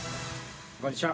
こんにちは。